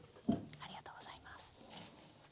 ありがとうございます。